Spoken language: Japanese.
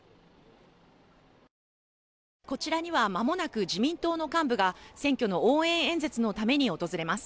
こちらにはまもなく自民党の幹部が選挙の応援演説のために訪れます。